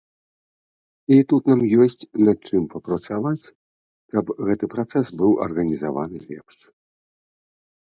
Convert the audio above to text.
І тут нам ёсць, над чым папрацаваць, каб гэты працэс быў арганізаваны лепш.